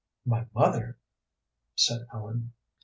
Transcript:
"My mother?" said Ellen.